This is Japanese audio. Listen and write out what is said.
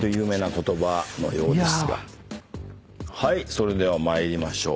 それでは参りましょう。